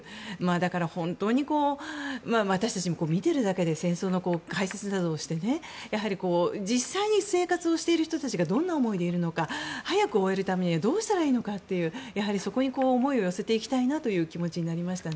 だから、本当に私たちも見ているだけで戦争の解説などをして実際に生活をしている人たちがどんな思いでいるのか早く終えるためにどうしたらいいのかというやはり、そこに思いを寄せていきたいなという気持ちになりました。